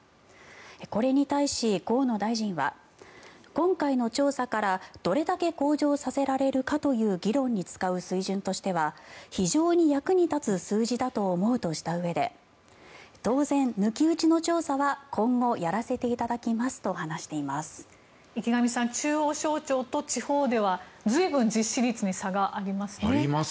これに対し、河野大臣は今回の調査からどれだけ向上させられるかという議論に使う水準としては非常に役に立つ数字だと思うとしたうえで当然、抜き打ちの調査は今後、やらせていただきますと話しています。